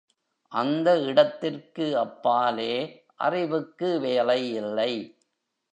அந்த இடத்திற்கு அப்பாலே அறிவுக்கு வேலை இல்லை.